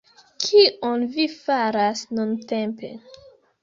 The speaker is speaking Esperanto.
Kion vi faras nuntempe?